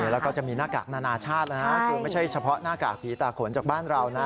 แล้วก็จะมีหน้ากากนานาชาตินะฮะคือไม่ใช่เฉพาะหน้ากากผีตาขนจากบ้านเรานะ